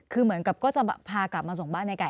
คือเหมือนกับก็จะพากลับมาส่งบ้านในไก่